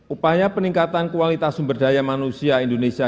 upaya peningkatan kualitas sumber daya manusia indonesia